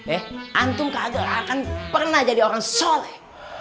eh antum kader akan pernah jadi orang soleh